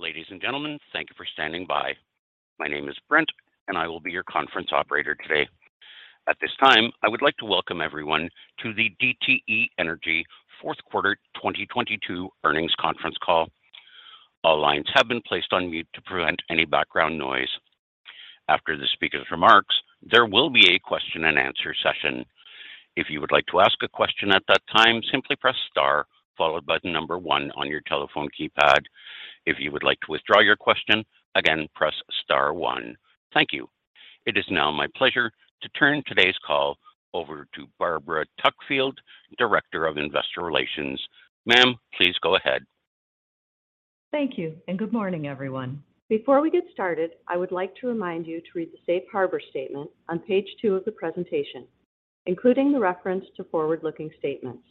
Ladies and gentlemen, thank you for standing by. My name is Brent, and I will be your conference operator today. At this time, I would like to welcome everyone to the DTE Energy Fourth Quarter 2022 earnings conference call. All lines have been placed on mute to prevent any background noise. After the speaker's remarks, there will be a question-and-answer session. If you would like to ask a question at that time, simply press star followed by the number one on your telephone keypad. If you would like to withdraw your question, again, press star one. Thank you. It is now my pleasure to turn today's call over to Barbara Tuckfield, Director of Investor Relations. Ma'am, please go ahead. Thank you and good morning, everyone. Before we get started, I would like to remind you to read the safe harbor statement on page two of the presentation, including the reference to forward-looking statements.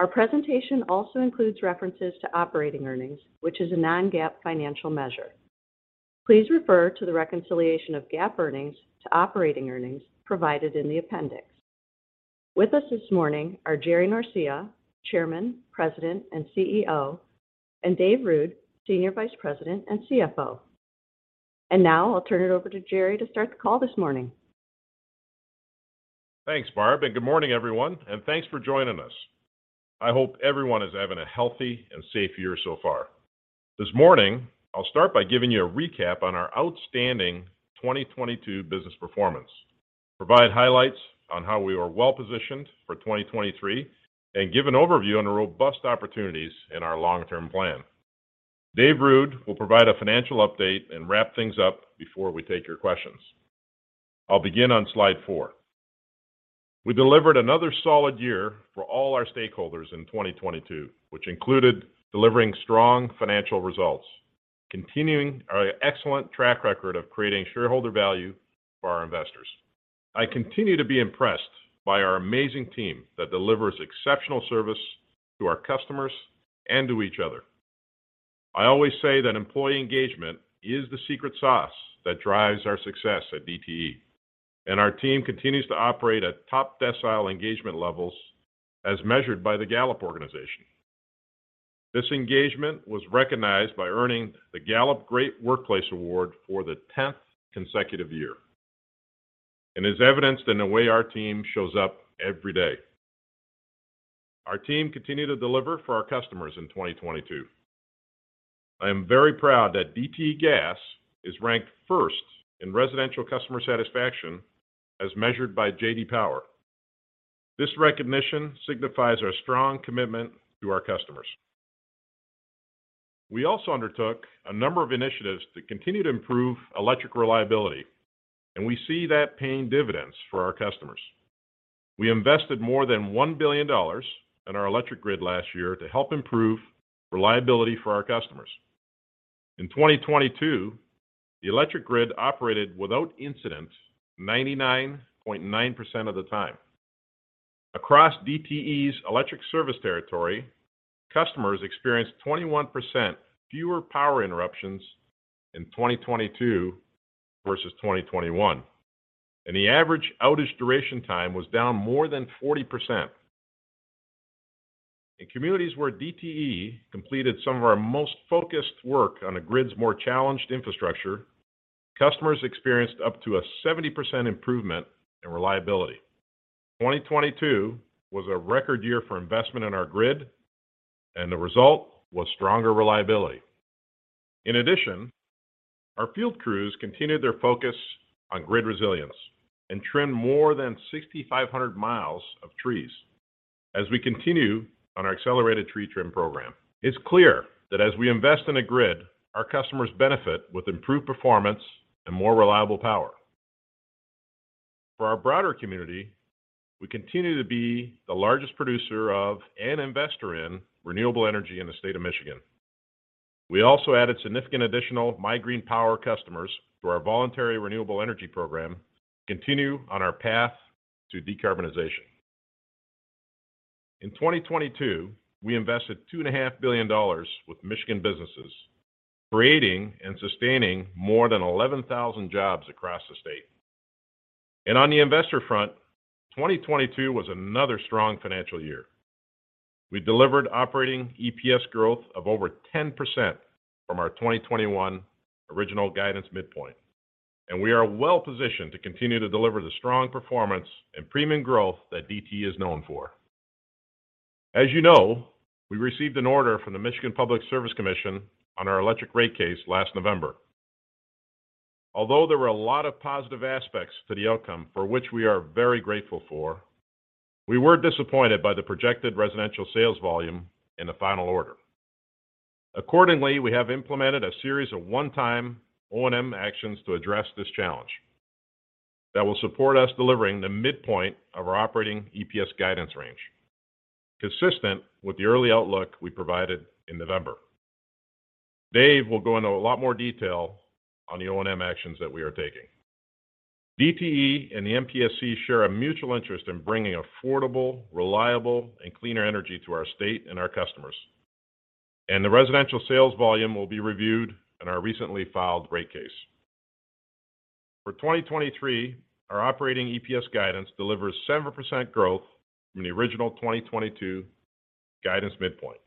Our presentation also includes references to operating earnings, which is a non-GAAP financial measure. Please refer to the reconciliation of GAAP earnings to operating earnings provided in the appendix. With us this morning are Jerry Norcia, Chairman, President, and CEO, and David Ruud, Senior Vice President and CFO. Now I'll turn it over to Jerry to start the call this morning. Thanks, Barb, and good morning, everyone, and thanks for joining us. I hope everyone is having a healthy and safe year so far. This morning, I'll start by giving you a recap on our outstanding 2022 business performance, provide highlights on how we are well-positioned for 2023, and give an overview on the robust opportunities in our long-term plan. Dave Ruud will provide a financial update and wrap things up before we take your questions. I'll begin on slide 4. We delivered another solid year for all our stakeholders in 2022, which included delivering strong financial results, continuing our excellent track record of creating shareholder value for our investors. I continue to be impressed by our amazing team that delivers exceptional service to our customers and to each other. I always say that employee engagement is the secret sauce that drives our success at DTE. Our team continues to operate at top decile engagement levels as measured by Gallup. This engagement was recognized by earning the Gallup Exceptional Workplace Award for the 10th consecutive year and is evidenced in the way our team shows up every day. Our team continued to deliver for our customers in 2022. I am very proud that DTE Gas is ranked first in residential customer satisfaction as measured by J.D. Power. This recognition signifies our strong commitment to our customers. We also undertook a number of initiatives to continue to improve electric reliability. We see that paying dividends for our customers. We invested more than $1 billion in our electric grid last year to help improve reliability for our customers. In 2022, the electric grid operated without incident 99.9% of the time. Across DTE's electric service territory, customers experienced 21% fewer power interruptions in 2022 versus 2021, and the average outage duration time was down more than 40%. In communities where DTE completed some of our most focused work on the grid's more challenged infrastructure, customers experienced up to a 70% improvement in reliability. 2022 was a record year for investment in our grid, and the result was stronger reliability. In addition, our field crews continued their focus on grid resilience and trimmed more than 6,500 miles of trees. As we continue on our accelerated tree trim program, it's clear that as we invest in a grid, our customers benefit with improved performance and more reliable power. For our broader community, we continue to be the largest producer of and investor in renewable energy in the state of Michigan. We also added significant additional MIGreenPower customers through our voluntary renewable energy program to continue on our path to decarbonization. In 2022, we invested $2.5 billion with Michigan businesses, creating and sustaining more than 11,000 jobs across the state. On the investor front, 2022 was another strong financial year. We delivered operating EPS growth of over 10% from our 2021 original guidance midpoint, and we are well-positioned to continue to deliver the strong performance and premium growth that DTE is known for. You know, we received an order from the Michigan Public Service Commission on our electric rate case last November. Although there were a lot of positive aspects to the outcome for which we are very grateful for, we were disappointed by the projected residential sales volume in the final order. Accordingly, we have implemented a series of one-time O&M actions to address this challenge that will support us delivering the midpoint of our operating EPS guidance range, consistent with the early outlook we provided in November. Dave will go into a lot more detail on the O&M actions that we are taking. DTE and the MPSC share a mutual interest in bringing affordable, reliable, and cleaner energy to our state and our customers. The residential sales volume will be reviewed in our recently filed rate case. For 2023, our operating EPS guidance delivers 7% growth from the original 2022 guidance midpoint,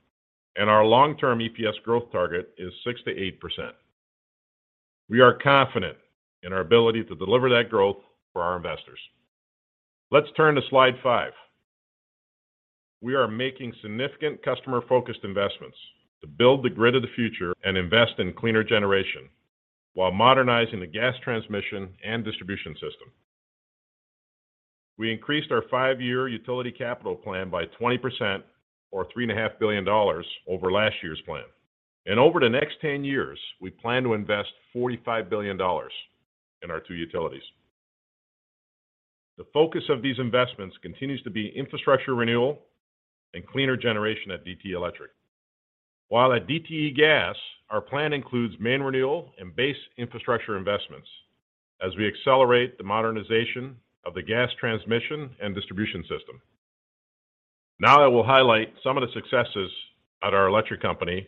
and our long-term EPS growth target is 6%-8%. We are confident in our ability to deliver that growth for our investors. Let's turn to slide 5. We are making significant customer-focused investments to build the grid of the future and invest in cleaner generation while modernizing the gas transmission and distribution system. We increased our 5-year utility capital plan by 20% or $3.5 billion over last year's plan. Over the next 10 years, we plan to invest $45 billion in our two utilities. The focus of these investments continues to be infrastructure renewal and cleaner generation at DTE Electric. While at DTE Gas, our plan includes main renewal and base infrastructure investments as we accelerate the modernization of the gas transmission and distribution system. I will highlight some of the successes at our electric company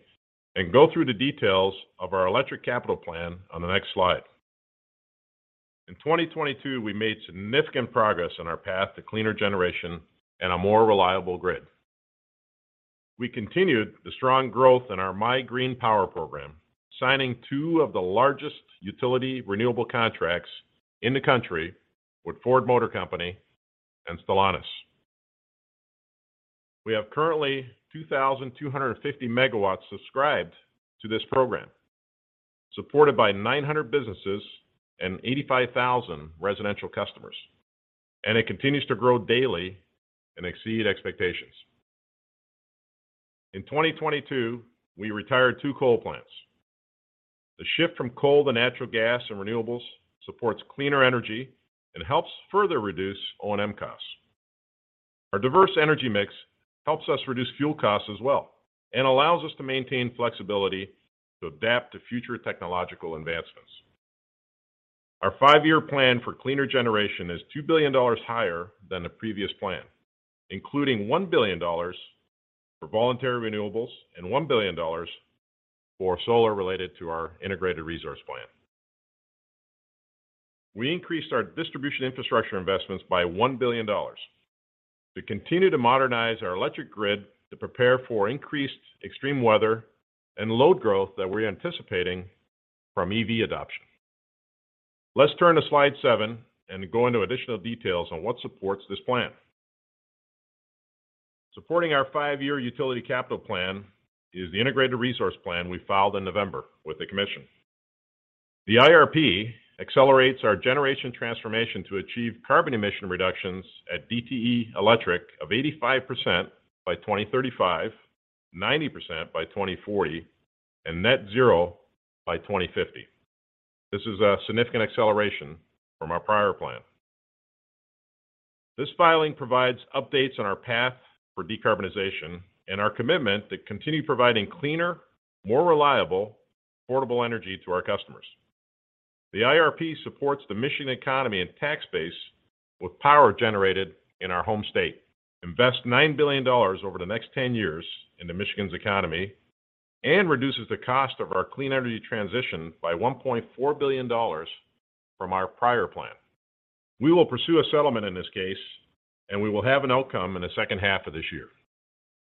and go through the details of our electric capital plan on the next slide. In 2022, we made significant progress on our path to cleaner generation and a more reliable grid. We continued the strong growth in our MIGreenPower program, signing two of the largest utility renewable contracts in the country with Ford Motor Company and Stellantis. We have currently 2,250 MW subscribed to this program, supported by 900 businesses and 85,000 residential customers, and it continues to grow daily and exceed expectations. In 2022, we retired two coal plants. The shift from coal to natural gas and renewables supports cleaner energy and helps further reduce O&M costs. Our diverse energy mix helps us reduce fuel costs as well and allows us to maintain flexibility to adapt to future technological advancements. Our five-year plan for cleaner generation is $2 billion higher than the previous plan, including $1 billion for voluntary renewables and $1 billion for solar related to our Integrated Resource Plan. We increased our distribution infrastructure investments by $1 billion to continue to modernize our electric grid to prepare for increased extreme weather and load growth that we're anticipating from EV adoption. Let's turn to slide seven and go into additional details on what supports this plan. Supporting our 5-year utility capital plan is the Integrated Resource Plan we filed in November with the Commission. The IRP accelerates our generation transformation to achieve carbon emission reductions at DTE Electric of 85% by 2035, 90% by 2040, and net zero by 2050. This is a significant acceleration from our prior plan. This filing provides updates on our path for decarbonization and our commitment to continue providing cleaner, more reliable, affordable energy to our customers. The IRP supports the Michigan economy and tax base with power generated in our home state, invest $9 billion over the next 10 years into Michigan's economy, reduces the cost of our clean energy transition by $1.4 billion from our prior plan. We will pursue a settlement in this case. We will have an outcome in the second half of this year.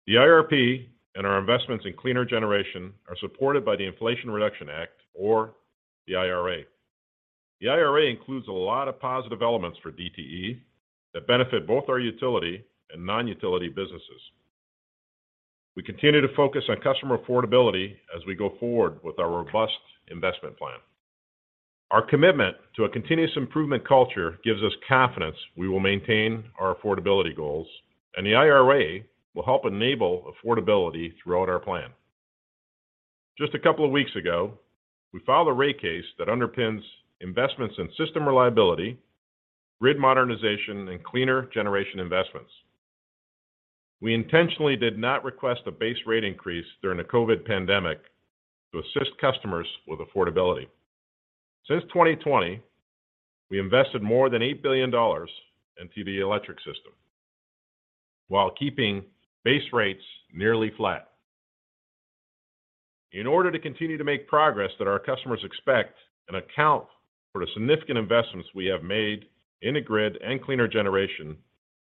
The IRP and our investments in cleaner generation are supported by the Inflation Reduction Act or the IRA. The IRA includes a lot of positive elements for DTE that benefit both our utility and non-utility businesses. We continue to focus on customer affordability as we go forward with our robust investment plan. Our commitment to a continuous improvement culture gives us confidence we will maintain our affordability goals. The IRA will help enable affordability throughout our plan. Just a couple of weeks ago, we filed a rate case that underpins investments in system reliability, grid modernization, and cleaner generation investments. We intentionally did not request a base rate increase during the COVID pandemic to assist customers with affordability. Since 2020, we invested more than $8 billion into the electric system while keeping base rates nearly flat. In order to continue to make progress that our customers expect and account for the significant investments we have made in the grid and cleaner generation,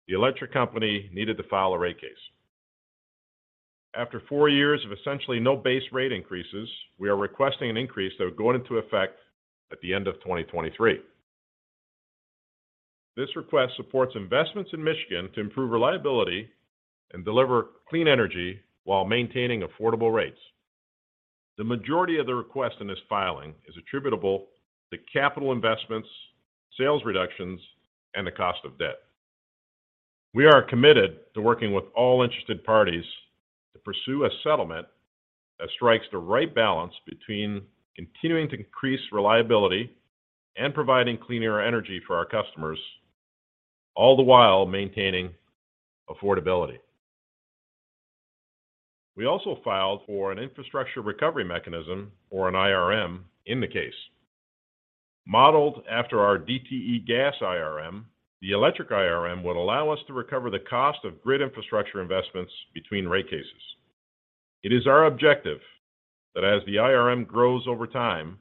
the electric company needed to file a rate case. After 4 years of essentially no base rate increases, we are requesting an increase that would go into effect at the end of 2023. This request supports investments in Michigan to improve reliability and deliver clean energy while maintaining affordable rates. The majority of the request in this filing is attributable to capital investments, sales reductions, and the cost of debt. We are committed to working with all interested parties to pursue a settlement that strikes the right balance between continuing to increase reliability and providing cleaner energy for our customers, all the while maintaining affordability. We also filed for an Infrastructure Recovery Mechanism or an IRM in the case. Modeled after our DTE Gas IRM, the electric IRM would allow us to recover the cost of grid infrastructure investments between rate cases. It is our objective that as the IRM grows over time,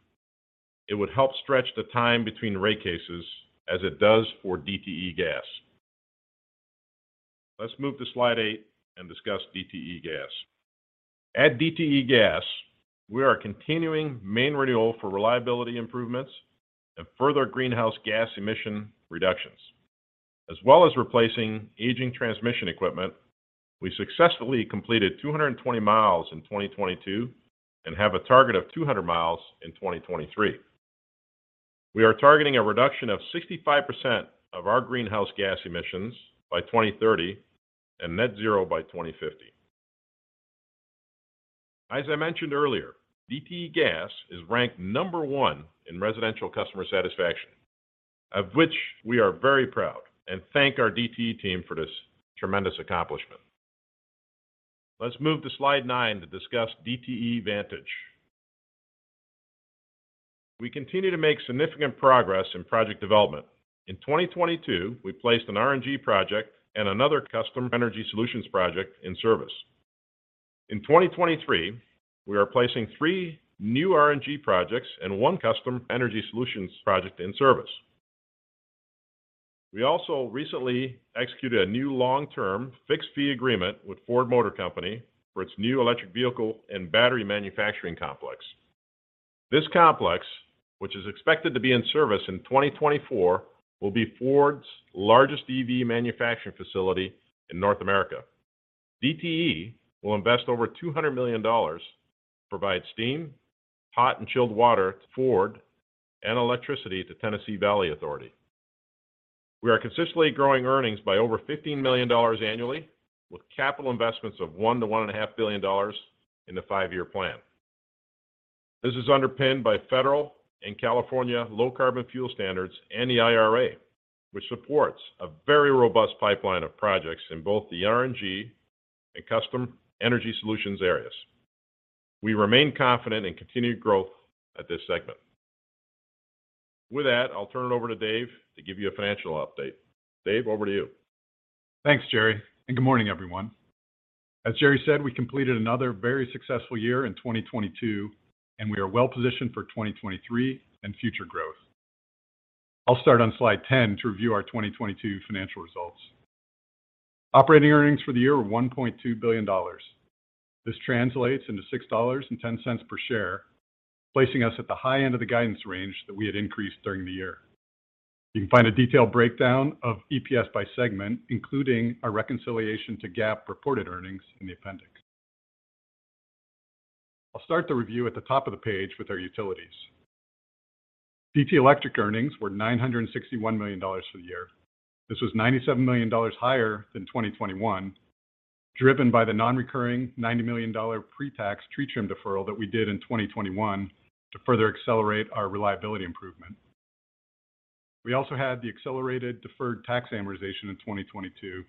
it would help stretch the time between rate cases as it does for DTE Gas. Let's move to slide 8 and discuss DTE Gas. At DTE Gas, we are continuing main renewal for reliability improvements and further greenhouse gas emission reductions. As well as replacing aging transmission equipment, we successfully completed 220 mi in 2022 and have a target of 200 mi in 2023. We are targeting a reduction of 65% of our greenhouse gas emissions by 2030 and net zero by 2050. As I mentioned earlier, DTE Gas is ranked number one in residential customer satisfaction, of which we are very proud, and thank our DTE team for this tremendous accomplishment. Let's move to slide nine to discuss DTE Vantage. We continue to make significant progress in project development. In 2022, we placed an RNG project and another Custom Energy Solutions project in service. In 2023, we are placing three new RNG projects and one Custom Energy Solutions project in service. We also recently executed a new long-term fixed fee agreement with Ford Motor Company for its new electric vehicle and battery manufacturing complex. This complex, which is expected to be in service in 2024, will be Ford's largest EV manufacturing facility in North America. DTE will invest over $200 million to provide steam, hot and chilled water to Ford and electricity to Tennessee Valley Authority. We are consistently growing earnings by over $15 million annually with capital investments of $1 billion-$1.5 billion in the five-year plan. This is underpinned by federal and California low carbon fuel standards and the IRA, which supports a very robust pipeline of projects in both the RNG and Custom Energy Solutions areas. We remain confident in continued growth at this segment. With that, I'll turn it over to Dave to give you a financial update. Dave, over to you. Thanks, Jerry, and good morning, everyone. As Jerry said, we completed another very successful year in 2022, and we are well-positioned for 2023 and future growth. I'll start on slide 10 to review our 2022 financial results. Operating earnings for the year were $1.2 billion. This translates into $6.10 per share, placing us at the high end of the guidance range that we had increased during the year. You can find a detailed breakdown of EPS by segment, including a reconciliation to GAAP reported earnings in the appendix. I'll start the review at the top of the page with our utilities. DTE Electric earnings were $961 million for the year. This was $97 million higher than 2021, driven by the non-recurring $90 million pre-tax tree trim deferral that we did in 2021 to further accelerate our reliability improvement. We also had the accelerated deferred tax amortization in 2022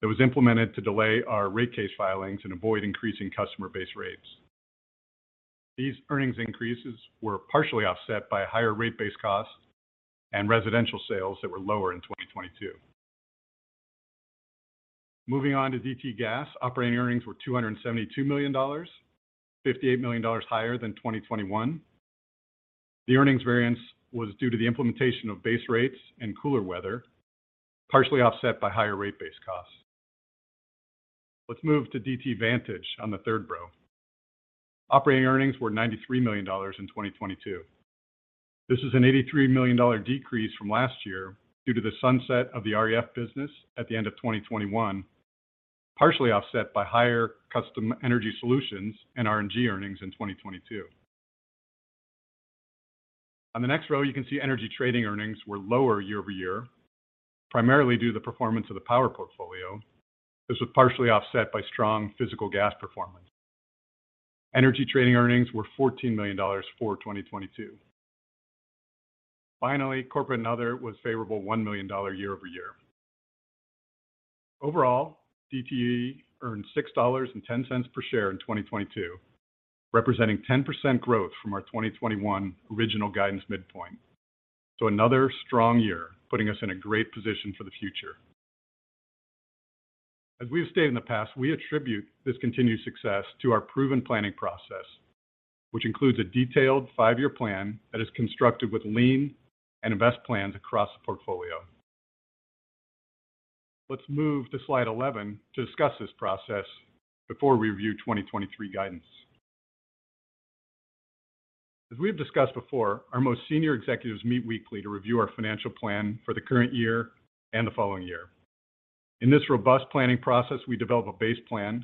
that was implemented to delay our rate case filings and avoid increasing customer-based rates. These earnings increases were partially offset by higher rate-based costs and residential sales that were lower in 2022. Moving on to DTE Gas, operating earnings were $272 million, $58 million higher than 2021. The earnings variance was due to the implementation of base rates and cooler weather, partially offset by higher rate-based costs. Let's move to DTE Vantage on the third row. Operating earnings were $93 million in 2022. This is an $83 million decrease from last year due to the sunset of the REF business at the end of 2021, partially offset by higher Custom Energy Solutions and RNG earnings in 2022. On the next row, you can see energy trading earnings were lower year over year, primarily due to the performance of the power portfolio. This was partially offset by strong physical gas performance. Energy trading earnings were $14 million for 2022. Finally, corporate and other was favorable $1 million year-over-year. Overall, DTE earned $6.10 per share in 2022, representing 10% growth from our 2021 original guidance midpoint. Another strong year, putting us in a great position for the future. As we have stated in the past, we attribute this continued success to our proven planning process, which includes a detailed 5-year plan that is constructed with lean and invest plans across the portfolio. Let's move to slide 11 to discuss this process before we review 2023 guidance. As we have discussed before, our most senior executives meet weekly to review our financial plan for the current year and the following year. In this robust planning process, we develop a base plan,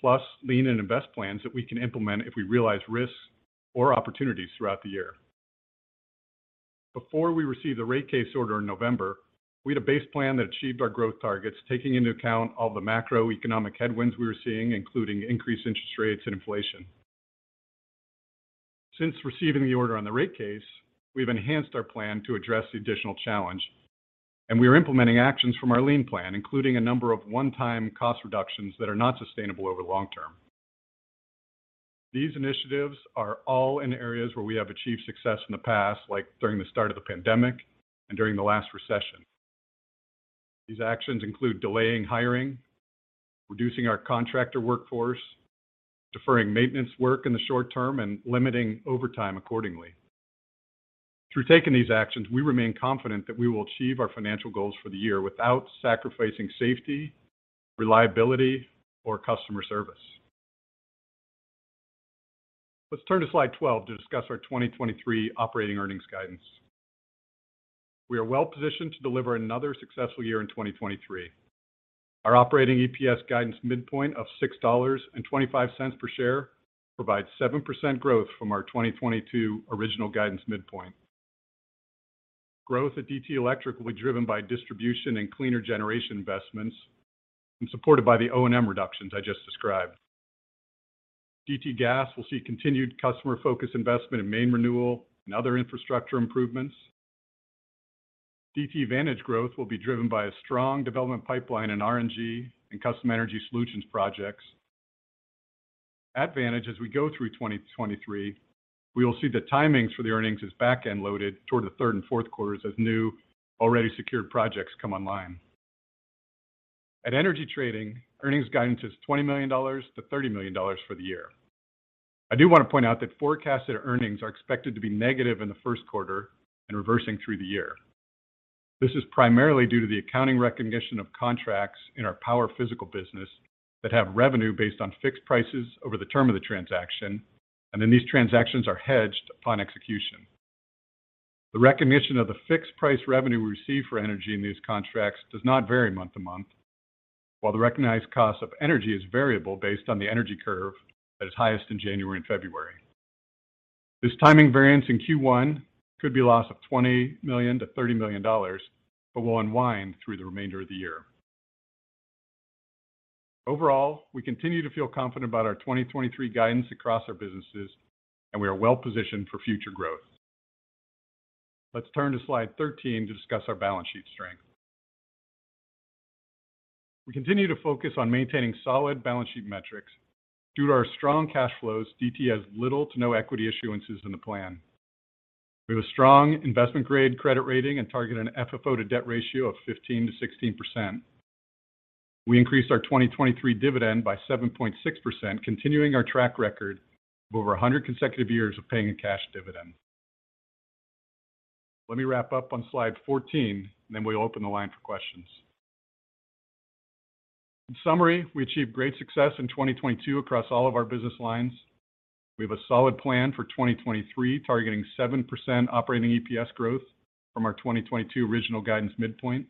plus lean and invest plans that we can implement if we realize risks or opportunities throughout the year. Before we receive the rate case order in November, we had a base plan that achieved our growth targets, taking into account all the macroeconomic headwinds we were seeing, including increased interest rates and inflation. Since receiving the order on the rate case, we've enhanced our plan to address the additional challenge, and we are implementing actions from our lean plan, including a number of one-time cost reductions that are not sustainable over long-term. These initiatives are all in areas where we have achieved success in the past, like during the start of the pandemic and during the last recession. These actions include delaying hiring, reducing our contractor workforce, deferring maintenance work in the short-term, and limiting overtime accordingly. Through taking these actions, we remain confident that we will achieve our financial goals for the year without sacrificing safety, reliability, or customer service. Let's turn to slide 12 to discuss our 2023 operating earnings guidance. We are well-positioned to deliver another successful year in 2023. Our operating EPS guidance midpoint of $6.25 per share provides 7% growth from our 2022 original guidance midpoint. Growth at DTE Electric will be driven by distribution and cleaner generation investments and supported by the O&M reductions I just described. DTE Gas will see continued customer-focused investment in main renewal and other infrastructure improvements. DTE Vantage growth will be driven by a strong development pipeline in RNG and Custom Energy Solutions projects. At Vantage, as we go through 2023, we will see the timings for the earnings as back-end loaded toward the third and fourth quarters as new, already secured projects come online. At Energy Trading, earnings guidance is $20 million-$30 million for the year. I do want to point out that forecasted earnings are expected to be negative in the first quarter and reversing through the year. This is primarily due to the accounting recognition of contracts in our power physical business that have revenue based on fixed prices over the term of the transaction, then these transactions are hedged upon execution. The recognition of the fixed price revenue we receive for energy in these contracts does not vary month to month, while the recognized cost of energy is variable based on the energy curve that is highest in January and February. This timing variance in Q1 could be a loss of $20 million-$30 million, will unwind through the remainder of the year. Overall, we continue to feel confident about our 2023 guidance across our businesses, we are well-positioned for future growth. Let's turn to slide 13 to discuss our balance sheet strength. We continue to focus on maintaining solid balance sheet metrics. Due to our strong cash flows, DTE has little to no equity issuances in the plan. We have a strong investment-grade credit rating and target an FFO to Debt ratio of 15%-16%. We increased our 2023 dividend by 7.6%, continuing our track record of over 100 consecutive years of paying a cash dividend. Let me wrap up on slide 14, and then we'll open the line for questions. In summary, we achieved great success in 2022 across all of our business lines. We have a solid plan for 2023, targeting 7% operating EPS growth from our 2022 original guidance midpoint.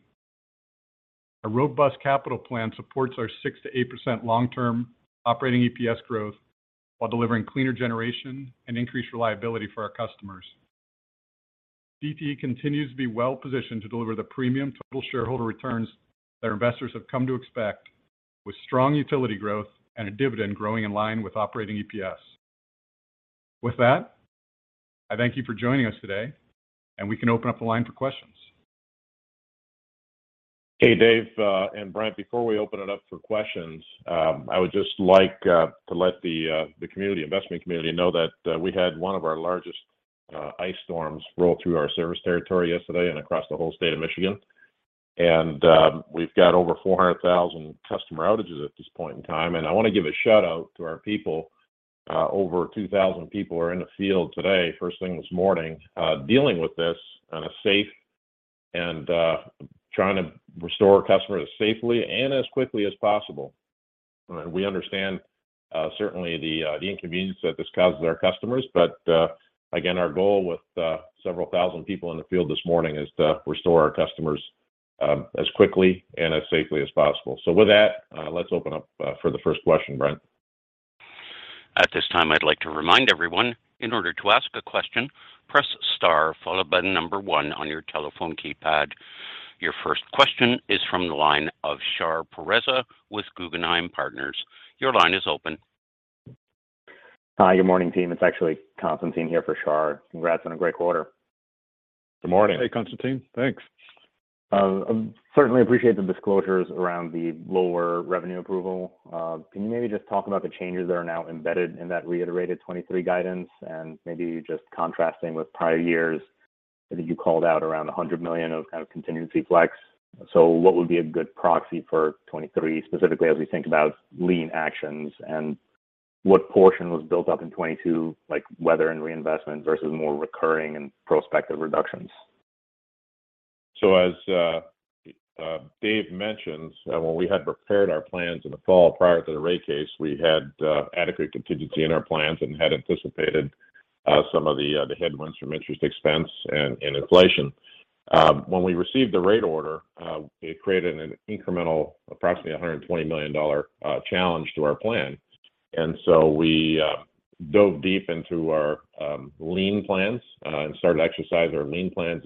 A robust capital plan supports our 6%-8% long-term operating EPS growth, while delivering cleaner generation and increased reliability for our customers. DTE continues to be well-positioned to deliver the premium total shareholder returns that our investors have come to expect, with strong utility growth and a dividend growing in line with operating EPS. With that, I thank you for joining us today, and we can open up the line for questions. Hey, Dave, and Brent, before we open it up for questions, I would just like to let the community, investment community know that we had one of our largest ice storms roll through our service territory yesterday and across the whole state of Michigan. We've got over 400,000 customer outages at this point in time, and I want to give a shout-out to our people. Over 2,000 people are in the field today, first thing this morning, dealing with this in a safe and trying to restore customers safely and as quickly as possible. We understand, certainly the inconvenience that this causes our customers, but again, our goal with several thousand people in the field this morning is to restore our customers, as quickly and as safely as possible. With that, let's open up for the first question, Brent. At this time, I'd like to remind everyone, in order to ask a question, press star followed by the number one on your telephone keypad. Your first question is from the line of Shahriar Pourreza with Guggenheim Partners. Your line is open. Hi, good morning, team. It's actually Constantine here for Shah. Congrats on a great quarter. Good morning. Hey, Constantine. Thanks. Certainly appreciate the disclosures around the lower revenue approval. Can you maybe just talk about the changes that are now embedded in that reiterated 2023 guidance and maybe just contrasting with prior years? I think you called out around $100 million of contingency flex. What would be a good proxy for 2023, specifically as we think about lean actions? What portion was built up in 2022, like weather and reinvestment versus more recurring and prospective reductions? As Dave mentions, when we had prepared our plans in the fall prior to the rate case, we had adequate contingency in our plans and had anticipated some of the headwinds from interest expense and inflation. When we received the rate order, it created an incremental approximately $120 million challenge to our plan. We dove deep into our lean plans and started to exercise our lean plans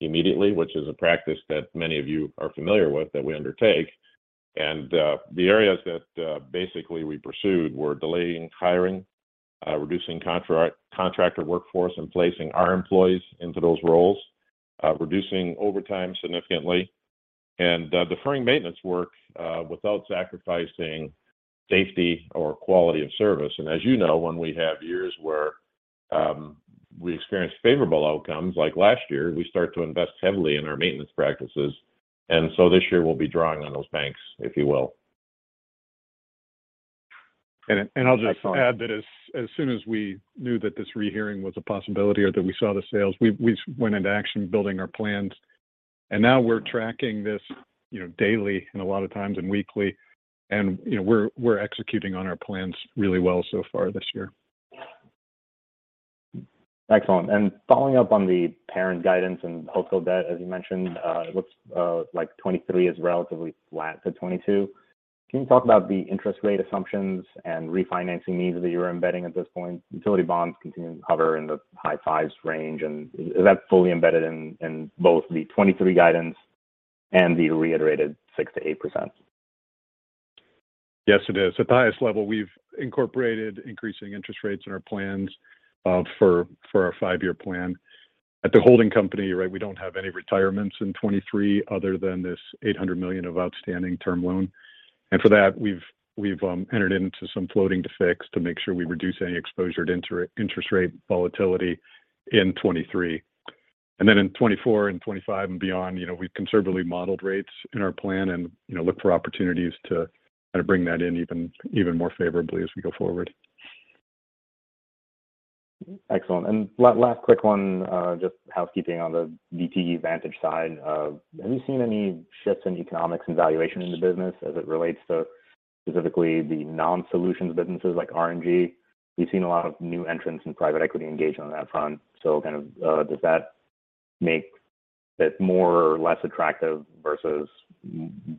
immediately, which is a practice that many of you are familiar with that we undertake. The areas that basically we pursued were delaying hiring, reducing contra-contractor workforce and placing our employees into those roles, reducing overtime significantly, and deferring maintenance work without sacrificing safety or quality of service. As you know, when we have years where we experienced favorable outcomes like last year, we start to invest heavily in our maintenance practices. This year we'll be drawing on those banks, if you will. I, and I'll just add that as soon as we knew that this rehearing was a possibility or that we saw the sales, we went into action building our plans. Now we're tracking this, you know, daily and a lot of times and weekly. You know, we're executing on our plans really well so far this year. Excellent. Following up on the parent guidance and hotel debt, as you mentioned, it looks like 2023 is relatively flat to 2022. Can you talk about the interest rate assumptions and refinancing needs that you're embedding at this point? Utility bonds continuing to hover in the high fives range. Is that fully embedded in both the 2023 guidance and the reiterated 6%-8%? Yes, it is. At the highest level, we've incorporated increasing interest rates in our plans for our five-year plan. At the holding company, right, we don't have any retirements in 2023 other than this $800 million of outstanding term loan. For that we've entered into some floating to fix to make sure we reduce any exposure to interest rate volatility in 2023. Then in 2024 and 2025 and beyond, you know, we've conservatively modeled rates in our plan and, you know, look for opportunities to kind of bring that in even more favorably as we go forward. Excellent. Last quick one, just housekeeping on the DTE Vantage side. Have you seen any shifts in economics and valuation in the business as it relates to specifically the non-solutions businesses like RNG? We've seen a lot of new entrants and private equity engagement on that front. Kind of, does that make it more or less attractive versus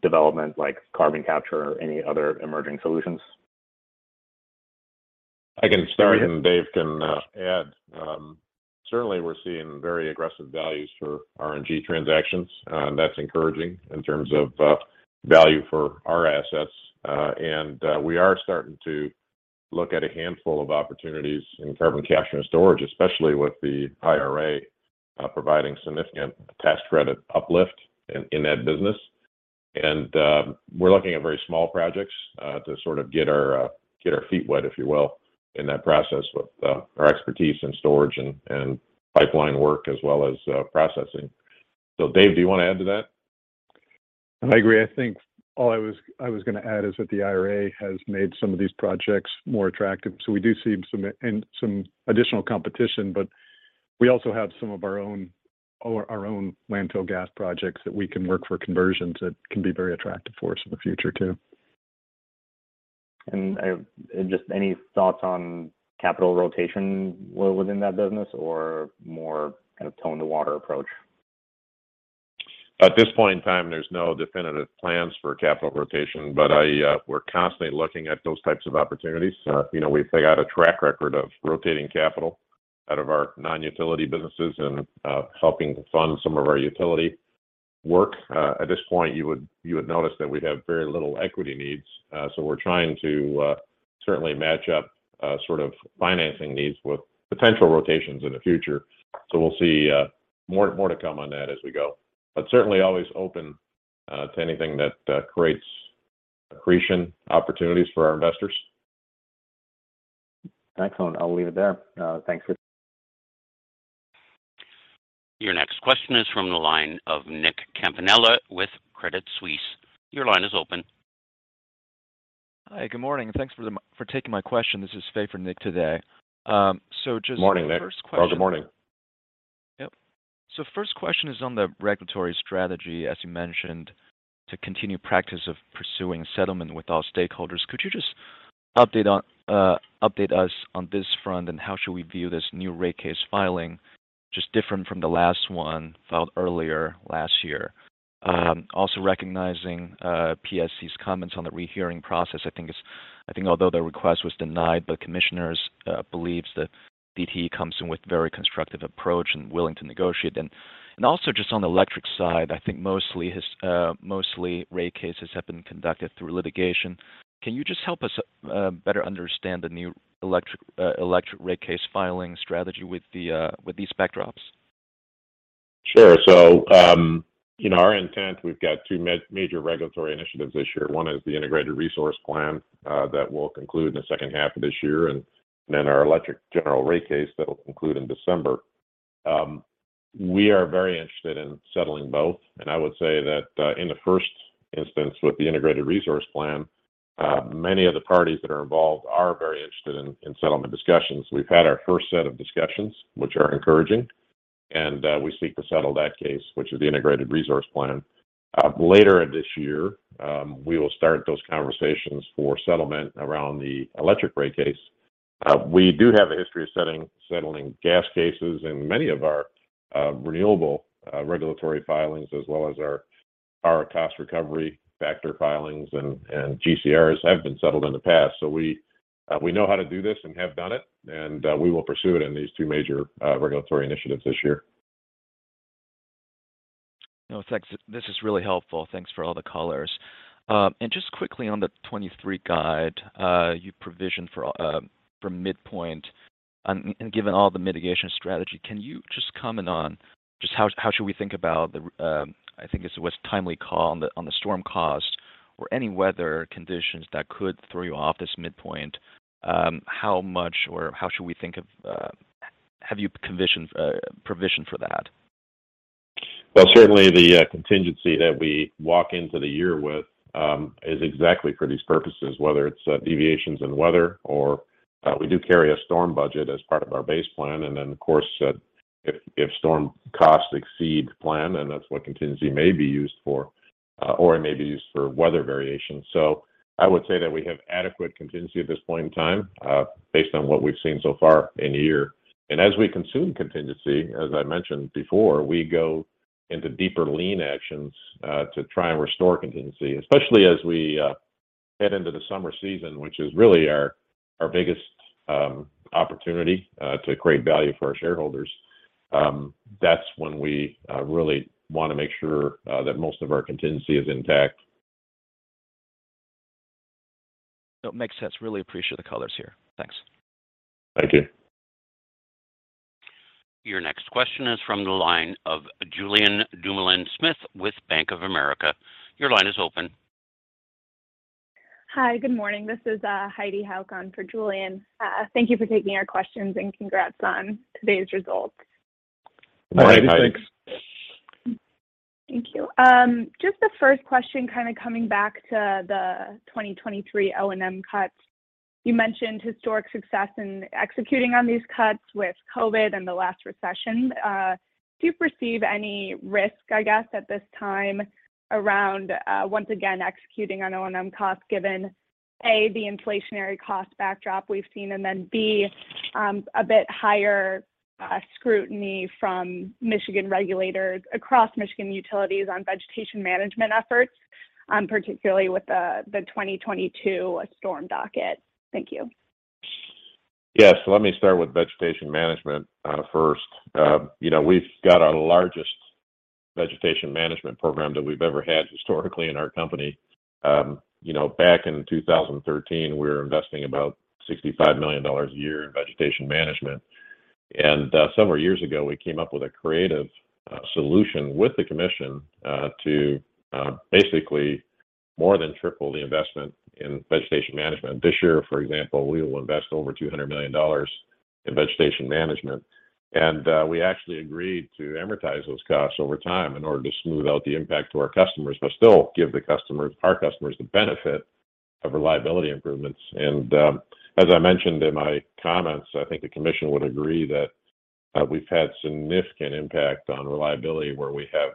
development like carbon capture or any other emerging solutions? I can start, and Dave can add. Certainly we're seeing very aggressive values for RNG transactions. That's encouraging in terms of value for our assets. We are starting to look at a handful of opportunities in carbon capture and storage, especially with the IRA, providing significant tax credit uplift in that business. We're looking at very small projects to sort of get our get our feet wet, if you will, in that process with our expertise in storage and pipeline work as well as processing. Dave, do you want to add to that? I agree. I think all I was gonna add is that the IRA has made some of these projects more attractive. We do see some additional competition. We also have some of our own landfill gas projects that we can work for conversions that can be very attractive for us in the future too. Just any thoughts on capital rotation within that business or more kind of tone the water approach? At this point in time, there's no definitive plans for capital rotation. We're constantly looking at those types of opportunities. You know, we've got a track record of rotating capital out of our non-utility businesses and helping to fund some of our utility work. At this point, you would notice that we have very little equity needs. We're trying to certainly match up sort of financing needs with potential rotations in the future. We'll see more to come on that as we go. Certainly always open to anything that creates accretion opportunities for our investors. Excellent. I'll leave it there. Your next question is from the line of Nicholas Campanella with Credit Suisse. Your line is open. Hi, good morning, and thanks for taking my question. This is Faye for Nick today. Just the first question. Morning, Nick. Or the morning. Yep. First question is on the regulatory strategy, as you mentioned, to continue practice of pursuing settlement with all stakeholders. Could you just update us on this front and how should we view this new rate case filing just different from the last one filed earlier last year? Also recognizing PSC's comments on the rehearing process, I think although the request was denied, the commissioners believes that DTE comes in with very constructive approach and willing to negotiate. And also just on the electric side, I think mostly rate cases have been conducted through litigation. Can you just help us better understand the new electric rate case filing strategy with these backdrops? Sure. You know, our intent, we've got two major regulatory initiatives this year. One is the Integrated Resource Plan that will conclude in the second half of this year, and then our electric general rate case that will conclude in December. We are very interested in settling both, and I would say that in the first instance with the Integrated Resource Plan, many of the parties that are involved are very interested in settlement discussions. We've had our first set of discussions, which are encouraging, and we seek to settle that case, which is the Integrated Resource Plan. Later this year, we will start those conversations for settlement around the electric rate case. We do have a history of settling gas cases in many of our renewable regulatory filings, as well as our cost recovery factor filings and GCRs have been settled in the past. We know how to do this and have done it, and we will pursue it in these two major regulatory initiatives this year. No, thanks. This is really helpful. Thanks for all the colors. Just quickly on the 2023 guide, you provisioned for midpoint. Given all the mitigation strategy, can you just comment on just how should we think about the, I think it's what's timely call on the, on the storm cost? Any weather conditions that could throw you off this midpoint, how much or how should we think of, have you conditioned, provisioned for that? Certainly the contingency that we walk into the year with is exactly for these purposes, whether it's deviations in weather or we do carry a storm budget as part of our base plan. Of course, if storm costs exceed plan, and that's what contingency may be used for, or it may be used for weather variations. I would say that we have adequate contingency at this point in time, based on what we've seen so far in the year. As we consume contingency, as I mentioned before, we go into deeper lean actions to try and restore contingency, especially as we head into the summer season, which is really our biggest opportunity to create value for our shareholders. That's when we really want to make sure that most of our contingency is intact. No, it makes sense. Really appreciate the colors here. Thanks. Thank you. Your next question is from the line of Julien Dumoulin-Smith with Bank of America. Your line is open. Hi. Good morning. This is Heidi Hehkan for Julien. Thank you for taking our questions, and congrats on today's results. Morning, Heidi. Hi, Heidi. Thank you. Just the first question, kind of coming back to the 2023 O&M cuts. You mentioned historic success in executing on these cuts with COVID and the last recession. Do you perceive any risk, I guess, at this time around, once again executing on O&M costs given, A, the inflationary cost backdrop we've seen, and then B, a bit higher scrutiny from Michigan regulators across Michigan utilities on vegetation management efforts, particularly with the 2022 storm docket? Thank you. Yes. Let me start with vegetation management first. You know, we've got our largest vegetation management program that we've ever had historically in our company. You know, back in 2013, we were investing about $65 million a year in vegetation management. Several years ago, we came up with a creative solution with the commission to basically more than triple the investment in vegetation management. This year, for example, we will invest over $200 million in vegetation management. We actually agreed to amortize those costs over time in order to smooth out the impact to our customers, but still give the customers, our customers the benefit of reliability improvements. As I mentioned in my comments, I think the Commission would agree that we've had significant impact on reliability, where we have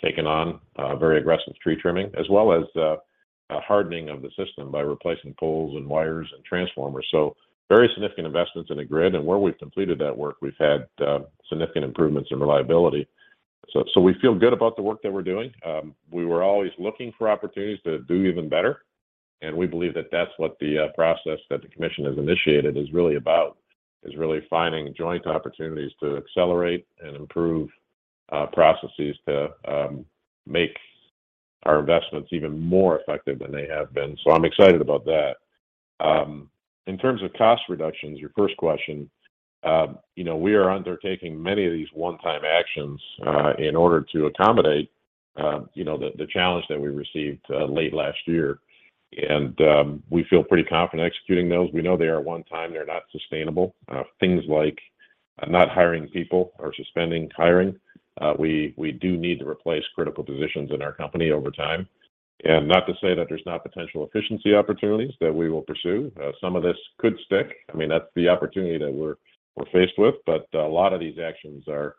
taken on very aggressive tree trimming, as well as a hardening of the system by replacing poles and wires and transformers. Very significant investments in the grid. Where we've completed that work, we've had significant improvements in reliability. We feel good about the work that we're doing. We were always looking for opportunities to do even better, and we believe that that's what the process that the Commission has initiated is really about, is really finding joint opportunities to accelerate and improve processes to make our investments even more effective than they have been. I'm excited about that. In terms of cost reductions, your first question, you know, we are undertaking many of these one-time actions in order to accommodate, you know, the challenge that we received late last year. We feel pretty confident executing those. We know they are one time. They're not sustainable. Things like not hiring people or suspending hiring. We do need to replace critical positions in our company over time. Not to say that there's not potential efficiency opportunities that we will pursue. Some of this could stick. I mean, that's the opportunity that we're faced with. A lot of these actions are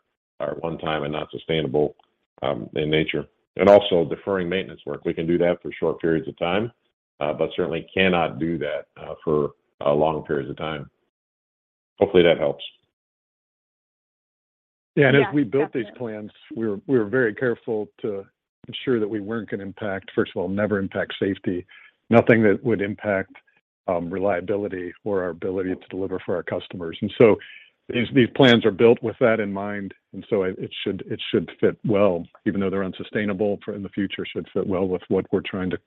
one time and not sustainable in nature. Also deferring maintenance work. We can do that for short periods of time, but certainly cannot do that, for long periods of time. Hopefully that helps. As we built these plans, we were very careful to ensure that we weren't going to impact, first of all, never impact safety. Nothing that would impact reliability or our ability to deliver for our customers. These plans are built with that in mind. It should fit well, even though they're unsustainable for in the future, should fit well with what we're trying to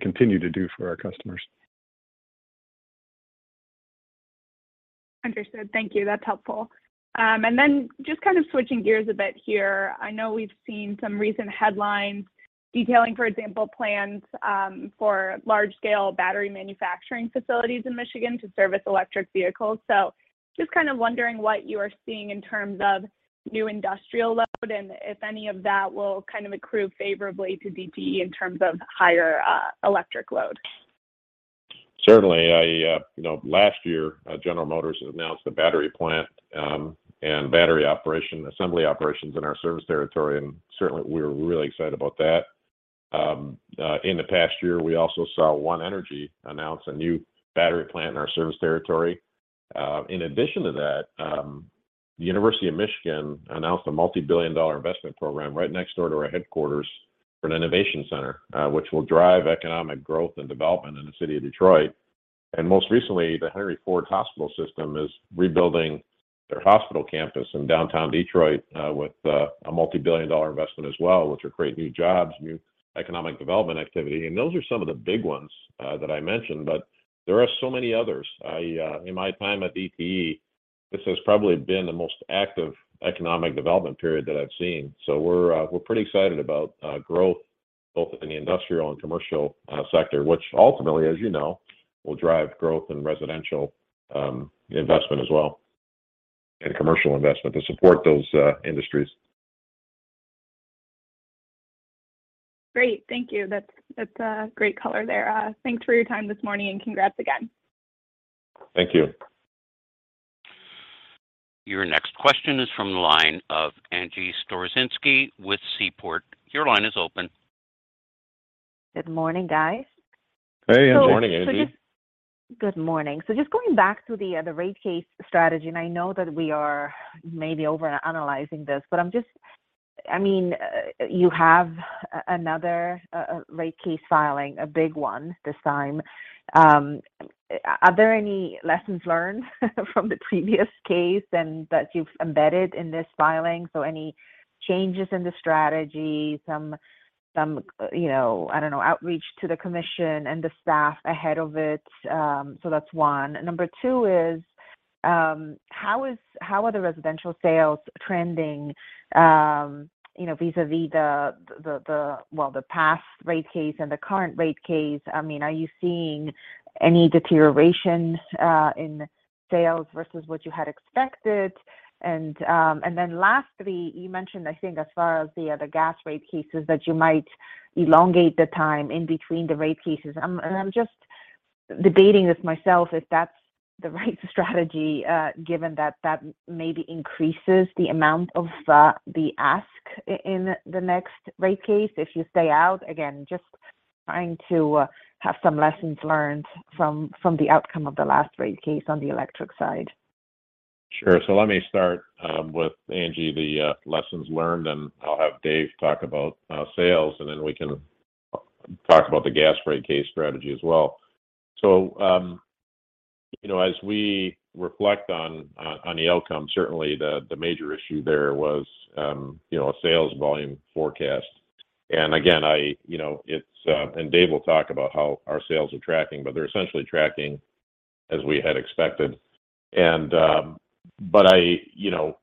continue to do for our customers. Understood. Thank you. That's helpful. Just kind of switching gears a bit here. I know we've seen some recent headlines detailing, for example, plans for large scale battery manufacturing facilities in Michigan to service electric vehicles. Just kind of wondering what you are seeing in terms of new industrial load and if any of that will kind of accrue favorably to DTE in terms of higher electric load. Certainly. I, you know, last year, General Motors announced a battery plant, and battery operation, assembly operations in our service territory, and certainly we're really excited about that. In the past year, we also saw Our Next Energy announce a new battery plant in our service territory. In addition to that, the University of Michigan announced a multi-billion dollar investment program right next door to our headquarters for an innovation center, which will drive economic growth and development in the city of Detroit. Most recently, the Henry Ford Hospital is rebuilding their hospital campus in downtown Detroit, with a multi-billion dollar investment as well, which will create new jobs, new economic development activity. Those are some of the big ones that I mentioned. There are so many others. I, in my time at DTE. This has probably been the most active economic development period that I've seen. We're pretty excited about growth both in the industrial and commercial sector, which ultimately, as you know, will drive growth in residential investment as well, and commercial investment to support those industries. Great. Thank you. That's a great color there. Thanks for your time this morning, and congrats again. Thank you. Your next question is from the line of Agnieszka Storozynski with Seaport. Your line is open. Good morning, guys. Hey. Good morning, Agnie. Good morning. Going back to the rate case strategy, I know that we are maybe overanalyzing this, I mean, you have another rate case filing, a big one this time. Are there any lessons learned from the previous case that you've embedded in this filing? Any changes in the strategy, some, you know, I don't know, outreach to the Commission and the staff ahead of it? That's one. Number two is, how are the residential sales trending, you know, vis-a-vis the, well, the past rate case and the current rate case? I mean, are you seeing any deterioration in sales versus what you had expected? Lastly, you mentioned, I think as far as the gas rate cases, that you might elongate the time in between the rate cases. I'm just debating this myself, if that's the right strategy, given that that maybe increases the amount of the ask in the next rate case if you stay out. Just trying to have some lessons learned from the outcome of the last rate case on the electric side. Sure. Let me start with Angie, the lessons learned, and I'll have Dave talk about sales, and then we can talk about the gas rate case strategy as well. You know, as we reflect on the outcome, certainly the major issue there was, you know, sales volume forecast. Again, Dave will talk about how our sales are tracking, but they're essentially tracking as we had expected. But I, you know,